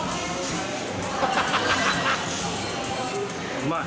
うまい。